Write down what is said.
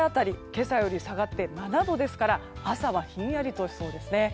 今朝より下がって７度ですから朝はひんやりとしそうですね。